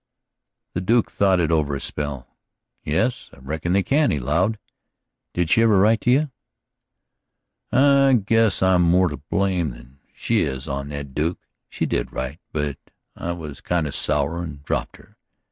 The Duke thought it over a spell. "Yes, I reckon they can," he allowed. "Don't she ever write to you?" "I guess I'm more to blame than she is on that, Duke. She did write, but I was kind of sour and dropped her.